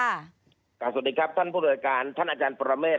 สวัสดีครับท่านผู้โดยการท่านอาจารย์ปรเมฆ